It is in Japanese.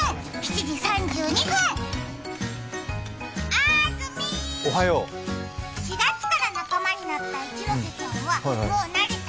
あーずみ、４月から仲間になった一ノ瀬さんは、もう慣れた？